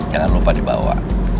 jangan lupa dibawa